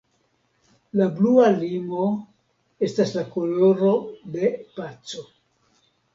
La blua limo estas la koloro de paco.